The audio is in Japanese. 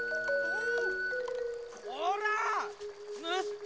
うん。